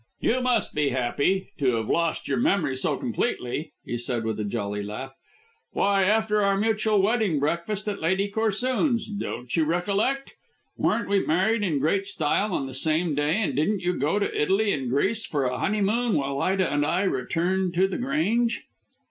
"You must be happy to have lost your memory so completely," he said with a jolly laugh. "Why, after our mutual wedding breakfast at Lady Corsoon's; don't you recollect? Weren't we married in great style on the same day, and didn't you go to Italy and Greece for a honeymoon while Ida and I returned to The Grange?"